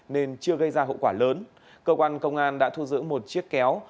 nên chưa gây ra hậu quả lớn cơ quan công an đã thu giữ một chiếc kéo